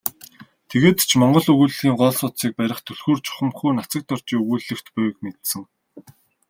Тэгээд ч монгол өгүүллэгийн гол судсыг барих түлхүүр чухамхүү Нацагдоржийн өгүүллэгт буйг мэдсэн.